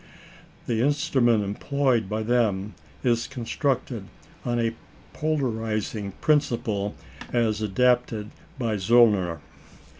The instrument employed by them is constructed on the polarising principle as adapted by Zöllner.